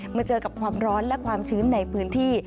มาเจอกับความร้อนและความชื้นในพื้นที่